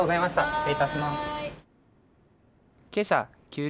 失礼いたします。